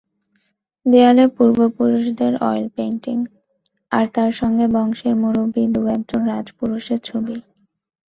দেয়ালে পূর্বপুরুষদের অয়েলপেন্টিং, আর তার সঙ্গে বংশের মুরুব্বি দু-একজন রাজপুরুষের ছবি।